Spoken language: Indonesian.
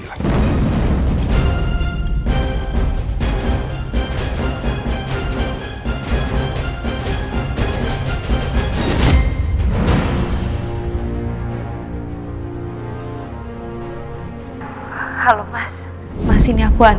kalau saya bawa aku tahan